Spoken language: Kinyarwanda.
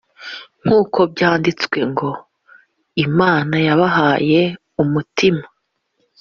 nk uko byanditswe ngo imana yabahaye umutima